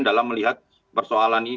dalam melihat persoalan